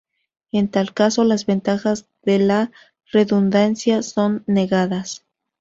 En tal caso, las ventajas de la redundancia son negadas.